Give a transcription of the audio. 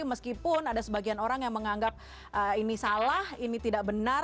meskipun ada sebagian orang yang menganggap ini salah ini tidak benar